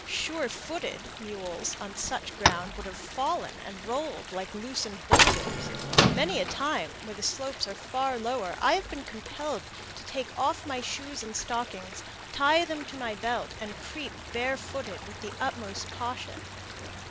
"Surefooted" mules on such ground would have fallen and rolled like loosened boulders. Many a time, where the slopes are far lower, I have been compelled to take off my shoes and stockings, tie them to my belt, and creep barefooted, with the utmost caution.